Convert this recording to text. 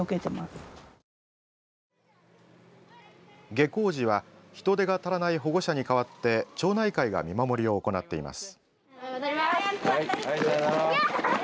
下校時は人手が足らない保護者に代わって町内会が見守りを行っています。